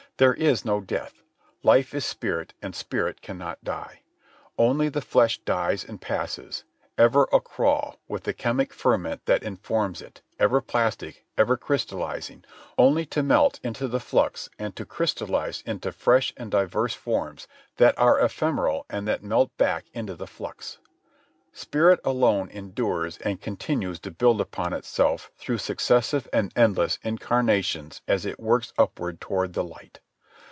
There is no death. Life is spirit, and spirit cannot die. Only the flesh dies and passes, ever a crawl with the chemic ferment that informs it, ever plastic, ever crystallizing, only to melt into the flux and to crystallize into fresh and diverse forms that are ephemeral and that melt back into the flux. Spirit alone endures and continues to build upon itself through successive and endless incarnations as it works upward toward the light.